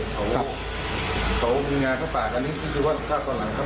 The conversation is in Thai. เขามีงานเข้าปากอันนี้คิดว่าสักชาติตอนหลังครับ